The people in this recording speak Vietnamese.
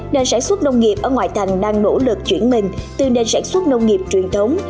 nền sản xuất nông nghiệp ở ngoại thành đang nỗ lực chuyển mình từ nền sản xuất nông nghiệp truyền thống